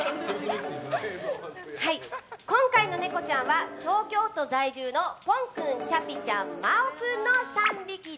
今回のネコちゃんは東京都在住のぽん君、チャピちゃん眞雄君の３匹。